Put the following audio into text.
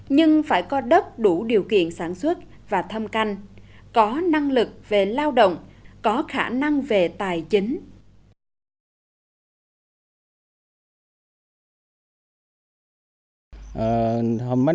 nhưng phải có đất đủ điều kiện sản xuất và thâm canh có năng lực về lao động có khả năng về tài chính